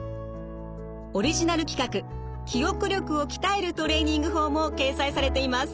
オリジナル企画記憶力を鍛えるトレーニング法も掲載されています。